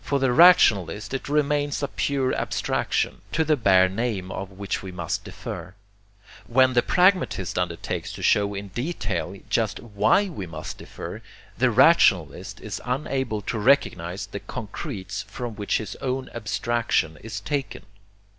For the rationalist it remains a pure abstraction, to the bare name of which we must defer. When the pragmatist undertakes to show in detail just WHY we must defer, the rationalist is unable to recognize the concretes from which his own abstraction is taken.